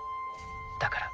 だから。